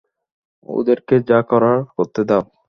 ওদেরকে যা করার করতে দাও।